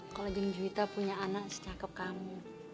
kalau jenjuita punya anak secakep kamu